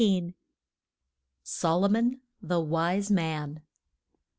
SOLOMON, THE WISE MAN.